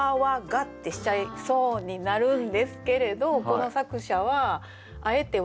「が」ってしちゃいそうになるんですけれどこの作者はあえて「は」にしたんでしょうね。